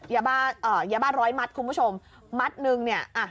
ยาบ้าเอ่อยาบ้ายาบ้าร้อยมัดคุณผู้ชมมัดนึงเนี่ยอ่ะ